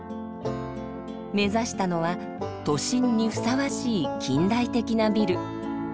目指したのは都心にふさわしい近代的なビル。